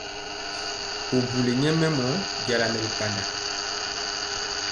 Bubuli nyɛmemɔ jala nɛ bi kanda.